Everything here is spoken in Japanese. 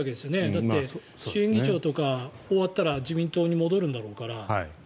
だって、衆院議長とか自民党に戻るんだろうから。